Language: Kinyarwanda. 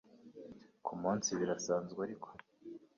ku munsi birasanzwe ariko